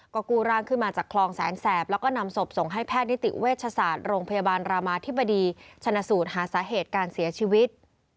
ก็กู้ร่างขึ้นมาจากคลองแสนแสบแล้วก็นำศพส่งให้แพทย์นิติเวชศาสตร์โรงพยาบาลรามาธิบดีชนะสูตรหาสาเหตุการเสียชีวิต